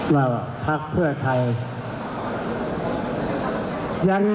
ว่าพักเพื่อไทย